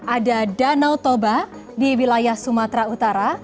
ada danau toba di wilayah sumatera utara